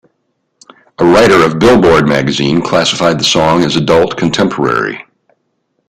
A writer of "Billboard" magazine classified the song as adult contemporary.